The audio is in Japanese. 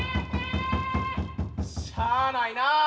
しゃあないなあ。